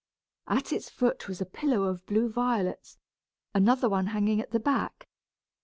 At its foot was a pillow of blue violets, another one hanging at the back.